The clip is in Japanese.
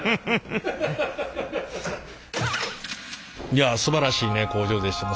いやすばらしいね工場でした。